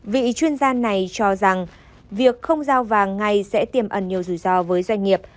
vị chuyên gia này cho rằng việc không giao vàng ngay sẽ tiềm ẩn nhiều rủi ro với doanh nghiệp